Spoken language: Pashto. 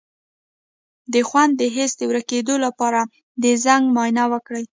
د خوند د حس د ورکیدو لپاره د زنک معاینه وکړئ